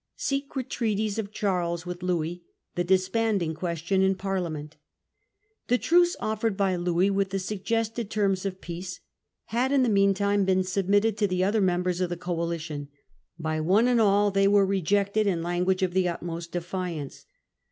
Secret Treaties of Charles with Louis. The Disbanding Question in Parliament. The truce offered by Louis, with the suggested terms of peace, had in the meantime been submitted to the other members of the coalition. By one and all they were rejected in language of the utmost defiance.